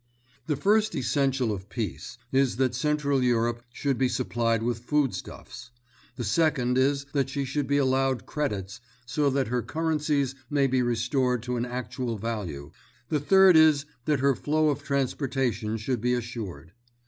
The first essential of peace is that Central Europe should be supplied with food stuffs. The second is that she should be allowed credits, so that her currencies may be restored to an actual value, the third is that her flow of transportation should be assured.